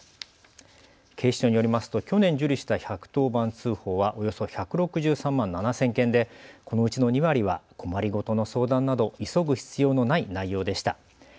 警視庁によりますと去年受理した１１０番通報はおよそ１６３万７０００件でこのうちの２割は困り事の相談など急ぐ必要のない内容でした。